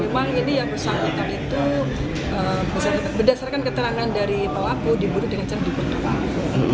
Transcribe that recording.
memang ini yang berusaha untuk itu berdasarkan keterangan dari pelaku dibunuh dengan cara dibutuhkan